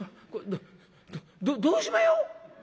どどうしまひょ？」。